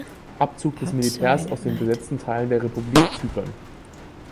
Abzug des Militärs aus dem besetzten Teil der Republik Zypern.